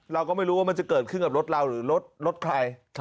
เราก็ไม่รู้ว่ามันจะเกิดขึ้นกับรถเราหรือรถใคร